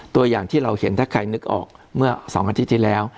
ตัวอย่างที่เราเห็นถ้าใครนึกออกเมื่อ๒อาทิตย์ที่แล้ว